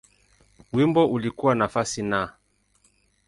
Wimbo ulikuwa nafasi Na.